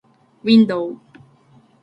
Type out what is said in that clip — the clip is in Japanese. window